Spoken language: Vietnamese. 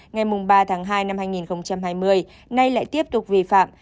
ngày ba tháng hai năm hai nghìn hai mươi nay lại tiếp tục vi phạm